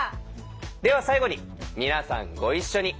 では最後に皆さんご一緒に。